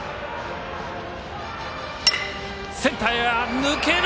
センターへ抜けた！